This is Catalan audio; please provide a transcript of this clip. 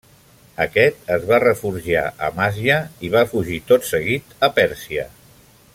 Aquest es va refugiar a Amasya i va fugir tot seguit a Pèrsia.